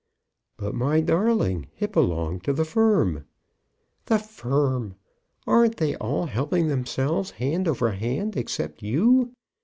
"But, my darling, it belonged to the firm." "The firm! Arn't they all helping themselves hand over hand, except you?